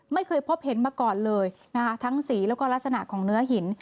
ไม่เคยพบเห็นมาก่อนเลยนะคะทั้งสีแล้วก็ลักษณะของเนื้อหิน